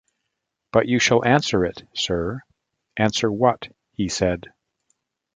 ‘But you shall answer it, Sir.’ ‘Answer what?’ he said.